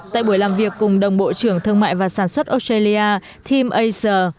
tại buổi làm việc cùng đồng bộ trưởng thương mại và sản xuất australia tim acer